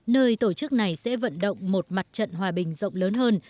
nơi tổ chức này sẽ vận động một mặt trận hòa bình rộng lớn hơn